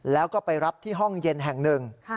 แล้วก็ไปรับที่ห้องเย็นแห่งหนึ่ง